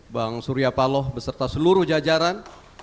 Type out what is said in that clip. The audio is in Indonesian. bang surya paloh beserta seluruh jajaran